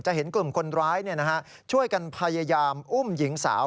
เห็นกลุ่มคนร้ายช่วยกันพยายามอุ้มหญิงสาว